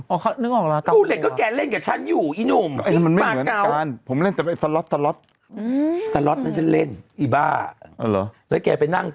ไอ้หนุ่มเธอตัวรู้ที่ดีที่สุดเลย